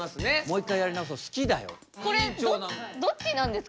これどっちなんですか？